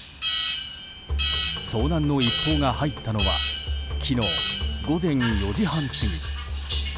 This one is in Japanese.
遭難の一報が入ったのは昨日午前４時半過ぎ。